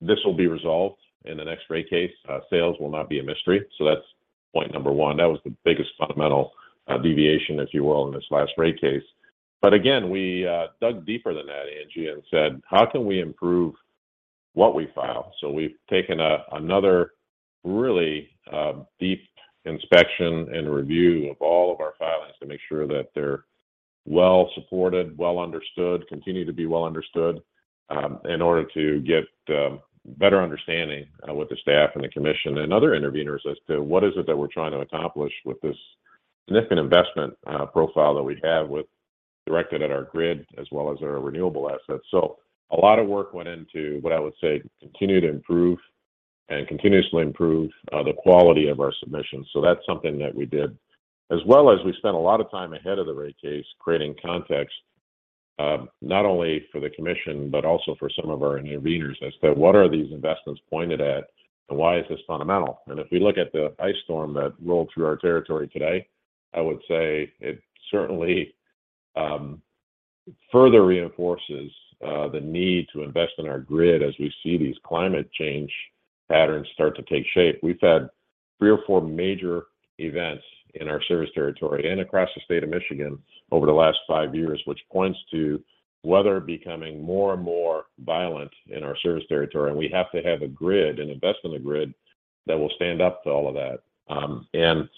this will be resolved in the next rate case. Sales will not be a mystery. That's point number one. That was the biggest fundamental deviation, if you will, in this last rate case. Again, we dug deeper than that, Angie, and said, "How can we improve what we file?" We've taken another really deep inspection and review of all of our filings to make sure that they're well supported, well understood, continue to be well understood, in order to get better understanding with the staff and the Commission and other interveners as to what is it that we're trying to accomplish with this significant investment profile that we have directed at our grid as well as our renewable assets. A lot of work went into what I would say continue to improve and continuously improve the quality of our submissions. That's something that we did. We spent a lot of time ahead of the rate case creating context, not only for the Commission, but also for some of our interveners, as to what are these investments pointed at, and why is this fundamental? If we look at the ice storm that rolled through our territory today, I would say it certainly further reinforces the need to invest in our grid as we see these climate change patterns start to take shape. We've had three or four major events in our service territory and across the state of Michigan over the last 5 years, which points to weather becoming more and more violent in our service territory. We have to have a grid and invest in a grid that will stand up to all of that.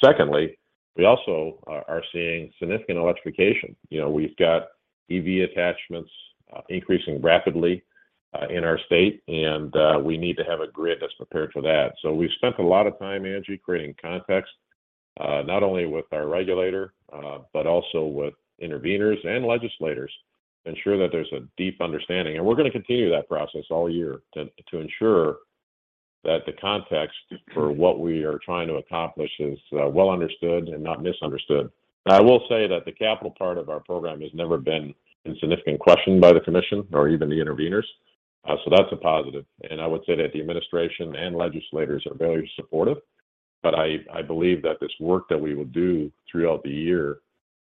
Secondly, we also are seeing significant electrification. You know, we've got EV attachments increasing rapidly in our state, and we need to have a grid that's prepared for that. We've spent a lot of time, Angie, creating context, not only with our regulator, but also with interveners and legislators, ensure that there's a deep understanding. We're gonna continue that process all year to ensure that the context for what we are trying to accomplish is well understood and not misunderstood. I will say that the capital part of our program has never been in significant question by the commission or even the interveners. That's a positive. I would say that the administration and legislators are very supportive. I believe that this work that we will do throughout the year,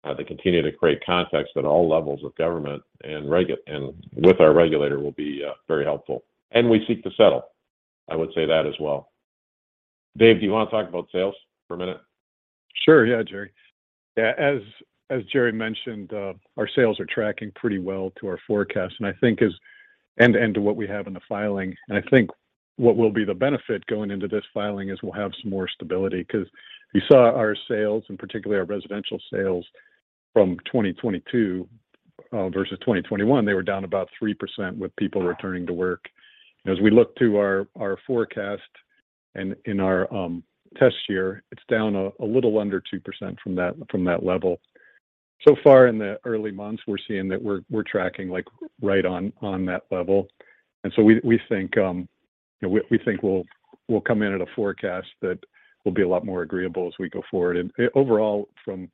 to continue to create context at all levels of government and with our regulator will be very helpful. We seek to settle. I would say that as well. Dave, do you want to talk about sales for a minute? Sure. Jerry. As Jerry mentioned, our sales are tracking pretty well to our forecast and I think end-to-end to what we have in the filing. I think what will be the benefit going into this filing is we'll have some more stability. 'Cause if you saw our sales and particularly our residential sales from 2022 versus 2021, they were down about 3% with people returning to work. As we look to our forecast and in our test year, it's down a little under 2% from that level. So far in the early months, we're seeing that we're tracking like right on that level. We think we'll come in at a forecast that will be a lot more agreeable as we go forward. Overall from, you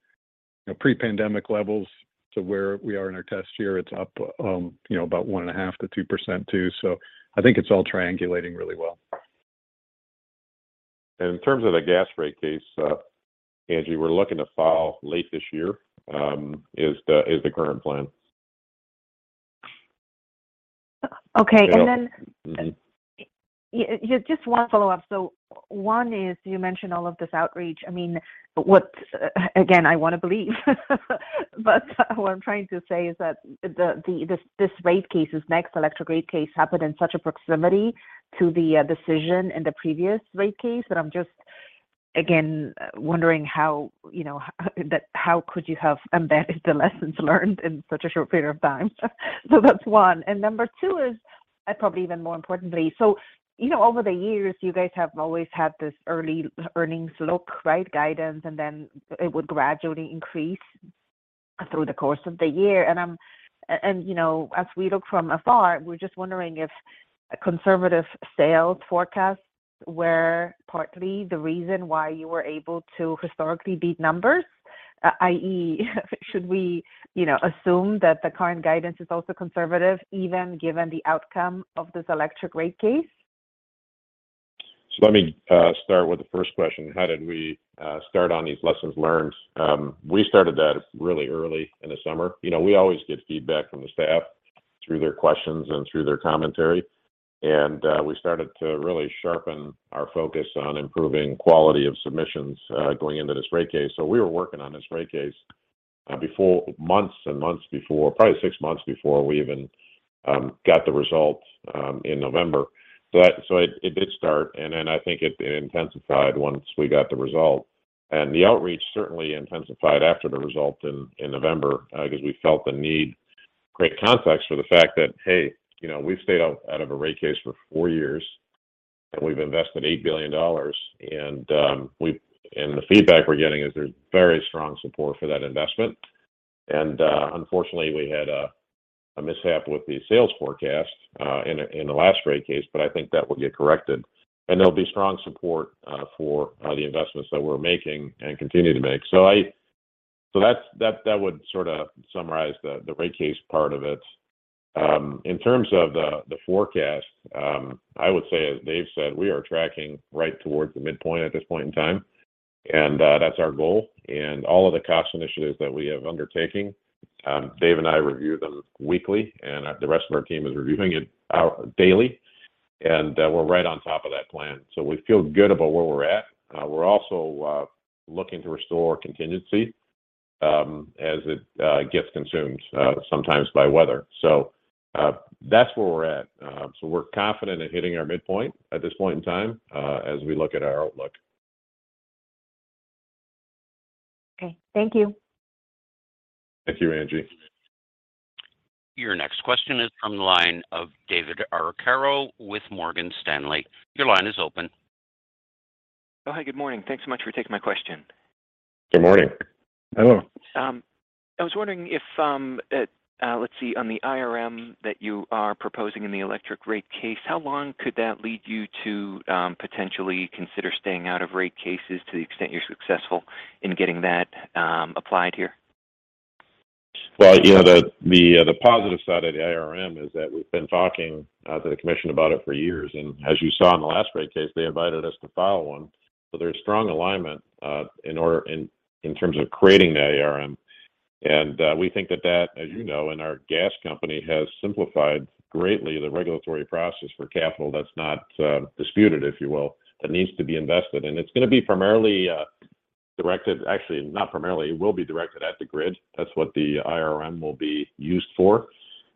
know, pre-pandemic levels to where we are in our test year, it's up, you know, about 1.5%-2% too. I think it's all triangulating really well. In terms of the gas rate case, Angie, we're looking to file late this year, is the current plan. Okay. Mm-hmm. Yeah, just one follow-up. One is you mentioned all of this outreach. I mean, Again, I want to believe, but what I'm trying to say is that this rate case, this next electric rate case happened in such a proximity to the decision in the previous rate case that I'm just, again, wondering how, you know, how could you have embedded the lessons learned in such a short period of time? That's one. Number two is, and probably even more importantly, so, you know, over the years, you guys have always had this early earnings look, right, guidance, and then it would gradually increase through the course of the year. You know, as we look from afar, we're just wondering if conservative sales forecasts were partly the reason why you were able to historically beat numbers, i.e., should we, you know, assume that the current guidance is also conservative even given the outcome of this electric rate case? Let me start with the first question, how did we start on these lessons learned. We started that really early in the summer. You know, we always get feedback from the staff through their questions and through their commentary, and we started to really sharpen our focus on improving quality of submissions going into this rate case. We were working on this rate case months and months before, probably 6 months before we even got the results in November. It did start, and then I think it intensified once we got the result. The outreach certainly intensified after the result in November, 'cause we felt the need to create context for the fact that, hey, you know, we've stayed out of a rate case for four years, and we've invested $8 billion, and the feedback we're getting is there's very strong support for that investment. Unfortunately, we had a mishap with the sales forecast in the last rate case, I think that will get corrected, and there'll be strong support for the investments that we're making and continue to make. That would sort of summarize the rate case part of it. In terms of the forecast, I would say, as Dave said, we are tracking right towards the midpoint at this point in time, and that's our goal. All of the cost initiatives that we have undertaking, Dave and I review them weekly, and the rest of our team is reviewing it out daily, and we're right on top of that plan. We feel good about where we're at. We're also looking to restore contingency, as it gets consumed, sometimes by weather. That's where we're at. We're confident in hitting our midpoint at this point in time, as we look at our outlook. Okay. Thank you. Thank you, Angie. Your next question is from the line of David Arcaro with Morgan Stanley. Your line is open. Oh, hi. Good morning. Thanks so much for taking my question. Good morning. Hello. I was wondering if, let's see, on the IRM that you are proposing in the electric rate case, how long could that lead you to potentially consider staying out of rate cases to the extent you're successful in getting that applied here? Well, you know, the positive side of the IRM is that we've been talking to the commission about it for years. As you saw in the last rate case, they invited us to file one. There's strong alignment in terms of creating that IRM. We think that, as you know, and our gas company has simplified greatly the regulatory process for capital that's not disputed, if you will, that needs to be invested. It's going to be primarily directed. Actually, not primarily, it will be directed at the grid. That's what the IRM will be used for,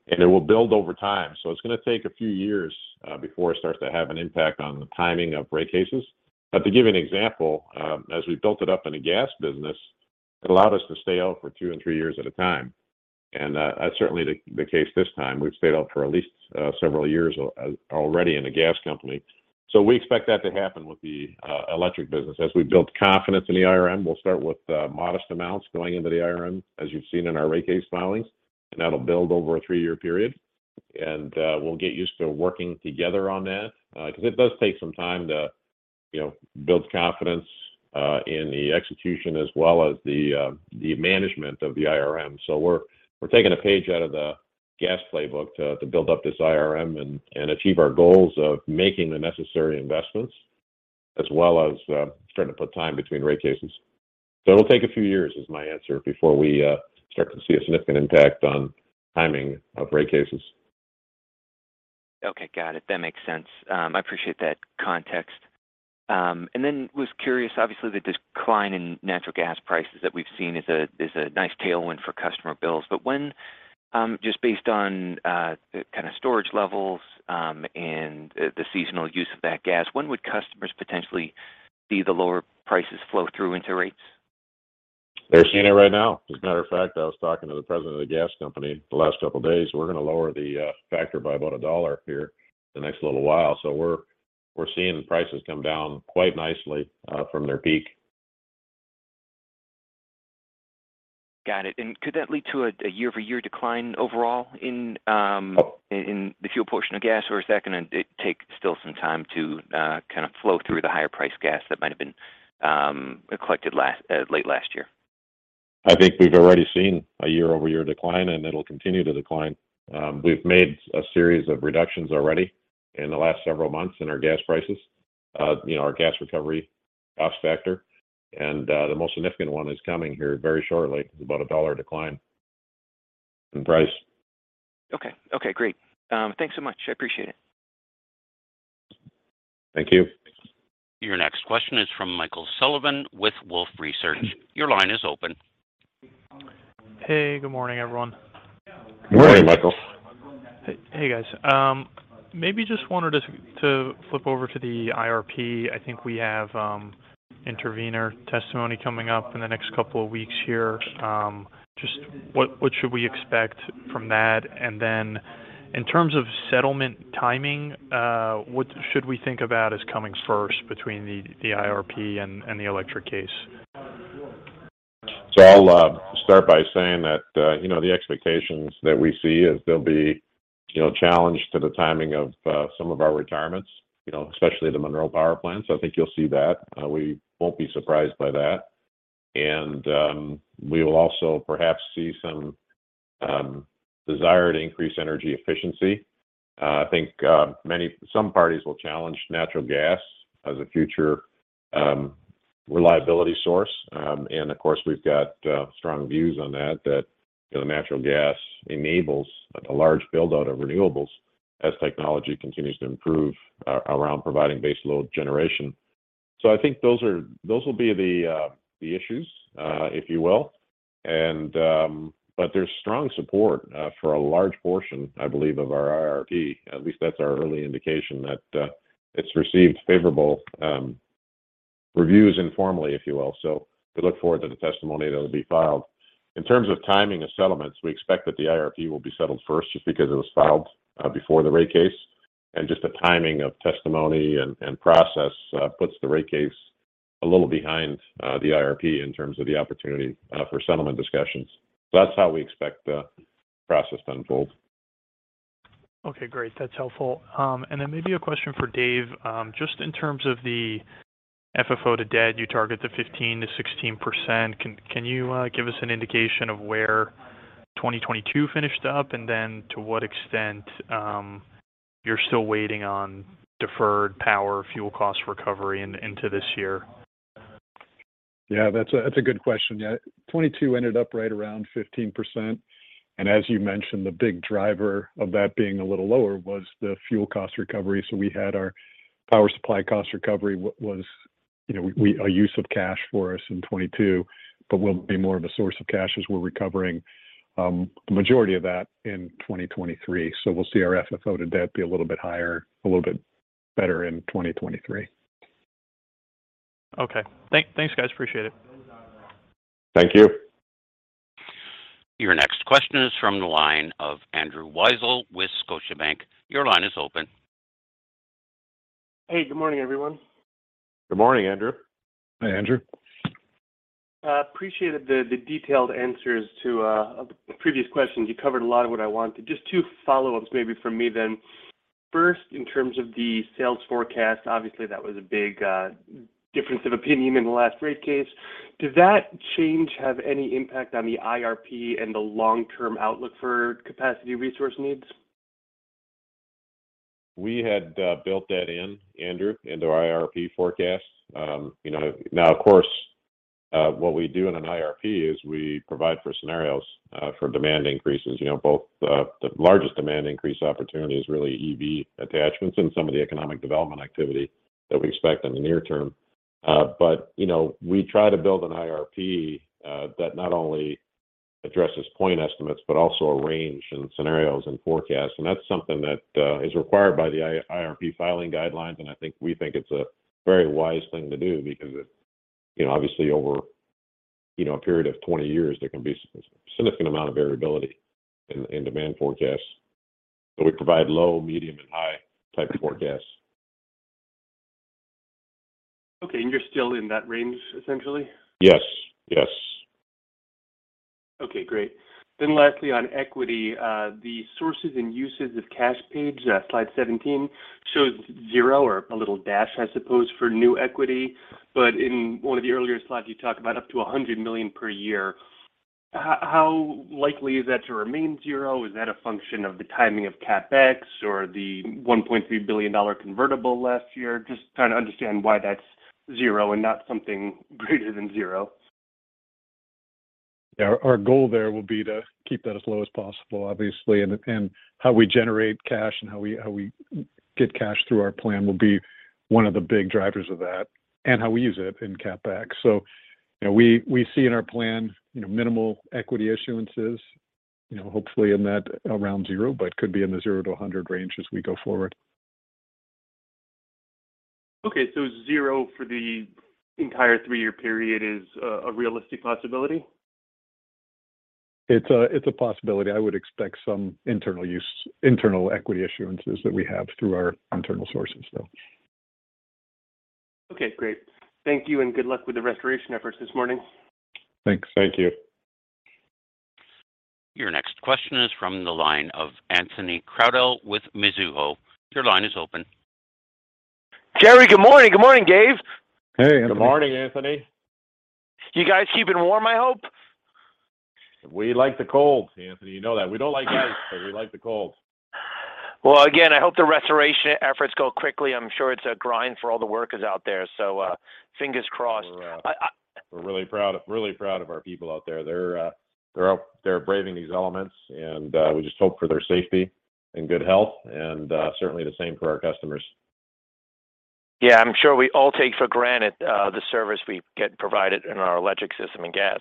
and it will build over time. It's going to take a few years before it starts to have an impact on the timing of rate cases. To give you an example, as we built it up in the gas business, it allowed us to stay out for twp and three years at a time. That's certainly the case this time. We've stayed out for at least several years already in the gas company. We expect that to happen with the electric business. As we build confidence in the IRM, we'll start with modest amounts going into the IRM, as you've seen in our rate case filings, and that'll build over a three-year period. We'll get used to working together on that, 'cause it does take some time to, you know, build confidence, in the execution as well as the management of the IRM. We're taking a page out of the gas playbook to build up this IRM and achieve our goals of making the necessary investments as well as trying to put time between rate cases. It'll take a few years, is my answer, before we start to see a significant impact on timing of rate cases. Okay. Got it. That makes sense. I appreciate that context. Was curious, obviously, the decline in natural gas prices that we've seen is a, is a nice tailwind for customer bills. When, just based on, the kind of storage levels, and the seasonal use of that gas, when would customers potentially see the lower prices flow through into rates? They're seeing it right now. As a matter of fact, I was talking to the president of the gas company the last couple days. We're going to lower the factor by about $1 here the next little while. We're seeing prices come down quite nicely from their peak. Got it. Could that lead to a year-over-year decline overall in the fuel portion of gas, or is that gonna take still some time to kind of flow through the higher priced gas that might have been collected last late last year? I think we've already seen a year-over-year decline, and it'll continue to decline. We've made a series of reductions already in the last several months in our gas prices, you know, our gas recovery cost factor, and the most significant one is coming here very shortly. It's about a $1 decline in price. Okay. Okay, great. Thanks so much. I appreciate it. Thank you. Your next question is from Michael Sullivan with Wolfe Research. Your line is open. Hey, good morning, everyone. Good morning, Michael. Hey, hey, guys. Maybe just wanted to flip over to the IRP. I think we have intervener testimony coming up in the next couple of weeks here. Just what should we expect from that? In terms of settlement timing, what should we think about as coming first between the IRP and the electric case? I'll start by saying that, you know, the expectations that we see is they'll be, you know, challenged to the timing of some of our retirements, you know, especially the Monroe Power Plant. I think you'll see that. We won't be surprised by that. We will also perhaps see some desire to increase energy efficiency. I think some parties will challenge natural gas as a future reliability source. Of course, we've got strong views on that, you know, natural gas enables a large build-out of renewables as technology continues to improve around providing base load generation. I think those will be the issues, if you will. There's strong support for a large portion, I believe, of our IRP. At least that's our early indication that it's received favorable reviews informally, if you will. We look forward to the testimony that'll be filed. In terms of timing of settlements, we expect that the IRP will be settled first just because it was filed before the rate case. Just the timing of testimony and process puts the rate case a little behind the IRP in terms of the opportunity for settlement discussions. That's how we expect the process to unfold. Okay, great. That's helpful. Maybe a question for Dave. Just in terms of the FFO to Debt, you target the 15%-16%. Can you give us an indication of where 2022 finished up? To what extent, you're still waiting on deferred power fuel cost recovery into this year? Yeah, that's a, that's a good question. Yeah. 2022 ended up right around 15%. As you mentioned, the big driver of that being a little lower was the fuel cost recovery. We had our Power Supply Cost Recovery was, you know, a use of cash for us in 2022, but will be more of a source of cash as we're recovering the majority of that in 2023. We'll see our FFO to Debt be a little bit higher, a little bit better in 2023. Okay. Thanks, guys. Appreciate it. Thank you. Your next question is from the line of Andrew Weisel with Scotiabank. Your line is open. Hey, good morning, everyone. Good morning, Andrew. Hi, Andrew. I appreciate the detailed answers to the previous questions. You covered a lot of what I wanted. Just two follow-ups maybe from me then. First, in terms of the sales forecast, obviously, that was a big difference of opinion in the last rate case. Does that change have any impact on the IRP and the long-term outlook for capacity resource needs? We had built that in, Andrew, into our IRP forecast. You know, now, of course, what we do in an IRP is we provide for scenarios for demand increases. You know, both, the largest demand increase opportunity is really EV attachments and some of the economic development activity that we expect in the near term. You know, we try to build an IRP that not only addresses point estimates, but also a range and scenarios and forecasts. That's something that is required by the IRP filing guidelines. I think we think it's a very wise thing to do because it, you know, obviously over, you know, a period of 20 years, there can be significant amount of variability in demand forecasts. We provide low, medium, and high type forecasts. Okay. You're still in that range, essentially? Yes. Yes. Okay, great. Lastly, on equity, the sources and uses of cash page, slide 17 shows zero or a little dash, I suppose, for new equity. In one of the earlier slides, you talked about up to $100 million per year. How likely is that to remain zero? Is that a function of the timing of CapEx or the $1.3 billion convertible last year? Just trying to understand why that's zero and not something greater than 0. Yeah. Our goal there will be to keep that as low as possible, obviously. How we generate cash and how we, how we get cash through our plan will be one of the big drivers of that and how we use it in CapEx. You know, we see in our plan, you know, minimal equity issuances, you know, hopefully in that around 0, but could be in the 0-100 range as we go forward. Okay. zero for the entire three-year period is a realistic possibility? It's a possibility. I would expect some internal equity issuances that we have through our internal sources, though. Okay, great. Thank you, and good luck with the restoration efforts this morning. Thanks. Thank you. Your next question is from the line of Anthony Crowdell with Mizuho. Your line is open. Jerry, good morning. Good morning, Gabe. Hey, Anthony. Good morning, Anthony. You guys keeping warm, I hope? We like the cold, Anthony, you know that. We don't like ice, but we like the cold. Well, again, I hope the restoration efforts go quickly. I'm sure it's a grind for all the workers out there. Fingers crossed. We're really proud of our people out there. They're out there braving these elements, and we just hope for their safety and good health and certainly the same for our customers. I'm sure we all take for granted the service we get provided in our electric system and gas.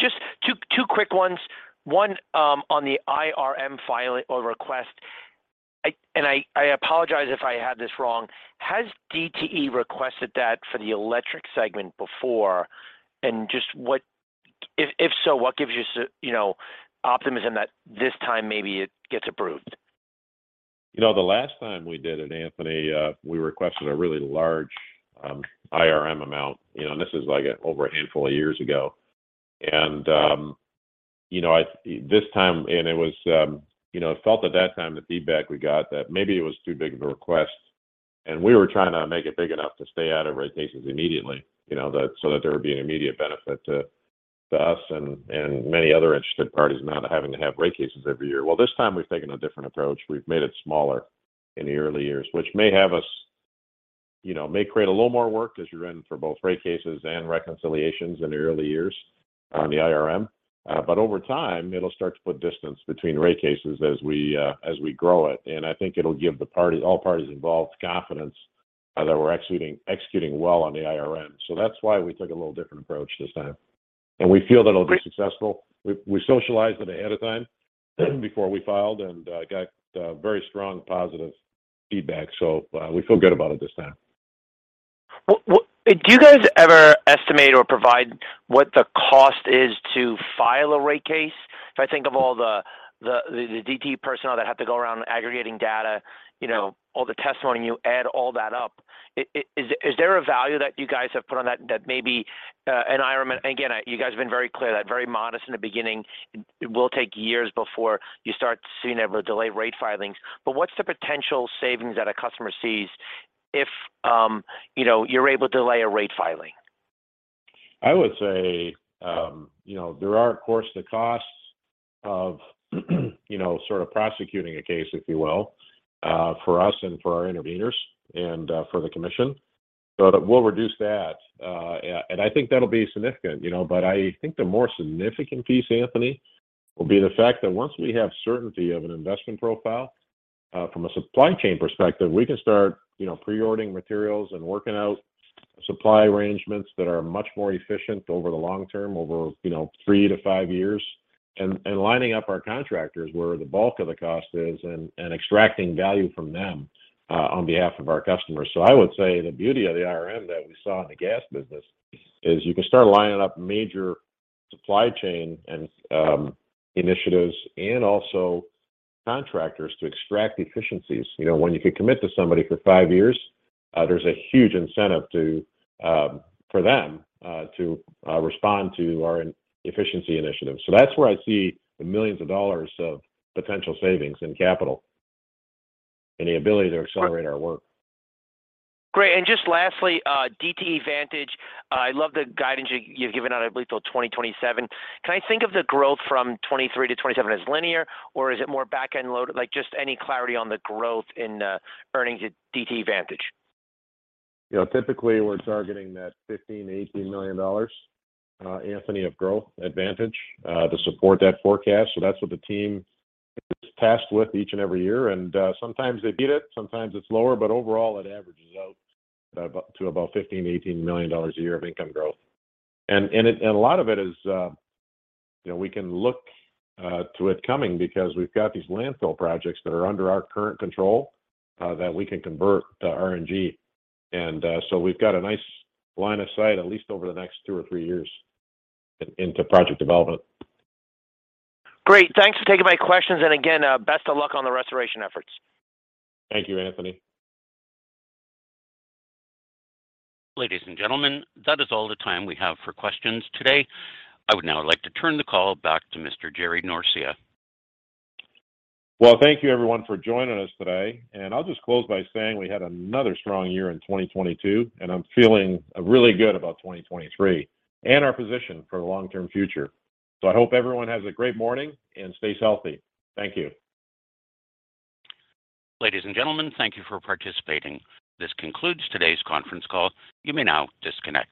Just two quick ones. One, on the IRM filing or request. I apologize if I have this wrong. Has DTE requested that for the electric segment before? Just if so, what gives you know, optimism that this time maybe it gets approved? You know, the last time we did it, Anthony, we requested a really large IRM amount, you know, and this is like over a handful of years ago. You know, this time it was, you know, it felt at that time, the feedback we got, that maybe it was too big of a request, and we were trying to make it big enough to stay out of rate cases immediately, you know, that so that there would be an immediate benefit to us and many other interested parties not having to have rate cases every year. Well, this time we've taken a different approach. We've made it smaller in the early years, which may have us, you know, may create a little more work as you're in for both rate cases and reconciliations in the early years on the IRM. Over time, it'll start to put distance between rate cases as we grow it. I think it'll give the party, all parties involved confidence that we're executing well on the IRM. That's why we took a little different approach this time. We feel that it'll be successful. We socialized it ahead of time before we filed and got very strong positive feedback. We feel good about it this time. Well, do you guys ever estimate or provide what the cost is to file a rate case? If I think of all the DTE personnel that have to go around aggregating data, you know, all the tests running, you add all that up. Is there a value that you guys have put on that maybe an IRM... Again, you guys have been very clear that very modest in the beginning, it will take years before you start seeing able to delay rate filings. What's the potential savings that a customer sees if, you know, you're able to delay a rate filing? I would say, you know, there are of course, the costs of, you know, sort of prosecuting a case, if you will, for us and for our interveners and for the commission. We'll reduce that, and I think that'll be significant, you know. I think the more significant piece, Anthony, will be the fact that once we have certainty of an investment profile, from a supply chain perspective, we can start, you know, pre-ordering materials and working out supply arrangements that are much more efficient over the long term, over, you know, 3-5 years, and lining up our contractors where the bulk of the cost is and extracting value from them on behalf of our customers. I would say the beauty of the IRM that we saw in the gas business is you can start lining up major supply chain and initiatives and also contractors to extract efficiencies. You know, when you can commit to somebody for five years, there's a huge incentive to for them to respond to our efficiency initiatives. That's where I see the millions of dollars of potential savings in capital and the ability to accelerate our work. Great. Just lastly, DTE Vantage, I love the guidance you've given out, I believe, till 2027. Can I think of the growth from 2023 to 2027 as linear or is it more back-end load? Like, just any clarity on the growth in earnings at DTE Vantage? You know, typically we're targeting that $15 million-$18 million, Anthony, of growth advantage to support that forecast. That's what the team is tasked with each and every year. Sometimes they beat it, sometimes it's lower, but overall, it averages out to about $15 million-$18 million a year of income growth. A lot of it is, you know, we can look to it coming because we've got these landfill projects that are under our current control, that we can convert to RNG. We've got a nice line of sight, at least over the next two or three years into project development. Great. Thanks for taking my questions. Again, best of luck on the restoration efforts. Thank you, Anthony. Ladies and gentlemen, that is all the time we have for questions today. I would now like to turn the call back to Mr. Jerry Norcia. Well, thank you everyone for joining us today, and I'll just close by saying we had another strong year in 2022, and I'm feeling really good about 2023 and our position for the long-term future. I hope everyone has a great morning and stays healthy. Thank you. Ladies and gentlemen, thank you for participating. This concludes today's conference call. You may now disconnect.